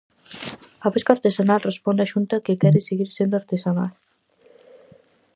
A pesca artesanal responde á Xunta que quere seguir sendo artesanal.